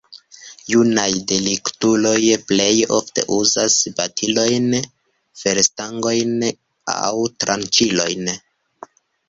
Junaj deliktuloj plej ofte uzas batilojn, ferstangojn aŭ tranĉilojn.